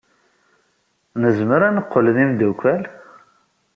Nezmer ad neqqel d imeddukal?